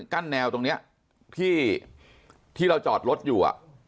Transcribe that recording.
กั้นแนวตรงเนี้ยที่ที่เราจอดรถอยู่อ่ะ